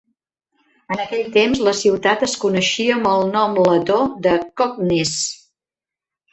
En aquell temps, la ciutat es coneixia amb el nom letó de Koknese.